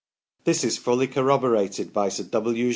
This is fully cor roborated by Sir W.